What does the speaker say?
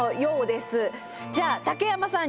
じゃあ竹山さん